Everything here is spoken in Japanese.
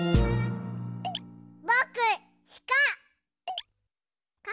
ぼくしか！